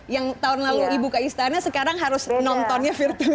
yang tahun lalu ibu ke istana sekarang harus nontonnya virtual